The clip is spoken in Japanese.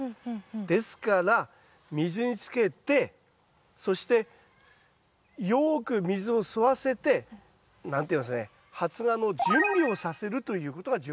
ですから水につけてそしてよく水を吸わせて何ていいますかね発芽の準備をさせるということが重要なんですよ。